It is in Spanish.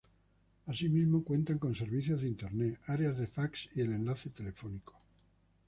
Asimismo cuentan con servicios de internet, áreas de fax y enlace telefónico.